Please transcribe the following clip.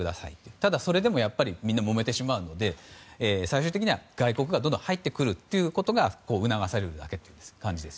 ただ、それでもやっぱりみんなもめてしまうので最終的には外国がどんどん入ってくることが促されるということです。